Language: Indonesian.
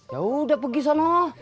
ya udah pergi sana